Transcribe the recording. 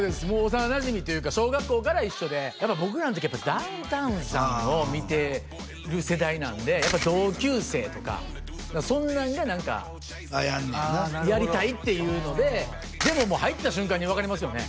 幼なじみというか小学校から一緒でやっぱ僕らの時ダウンタウンさんを見てる世代なんでやっぱ同級生とかそんなんが何かああやんねんなやりたいっていうのででももう入った瞬間に分かりますよね